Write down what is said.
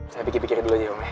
saya pikir pikir dulu aja om ya